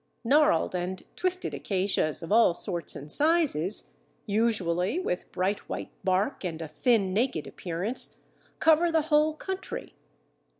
Gnarled and twisted acacias of all sorts and sizes, usually with bright white bark and a thin, naked appearance, cover the whole country.